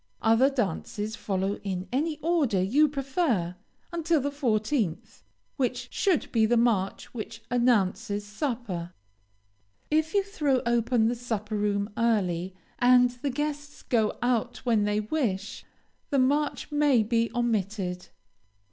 Other dances follow in any order you prefer until the fourteenth, which should be the march which announces supper. If you throw open the supper room, early, and the guests go out when they wish, the march may be omitted.